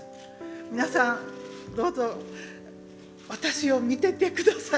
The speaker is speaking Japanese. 皆さんどうぞ私を見てて下さい。